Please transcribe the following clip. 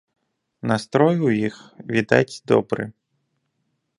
Настрой у іх, відаць, добры.